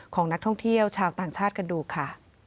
ของนักท่องเที่ยวชาวต่างชาติกันดูค่ะ